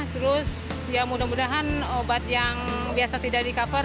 terus ya mudah mudahan obat yang biasa tidak di cover